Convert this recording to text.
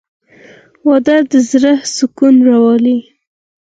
• واده د زړه سکون راولي.